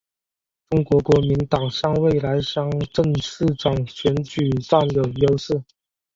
中国国民党向来在乡镇市长选举占有优势。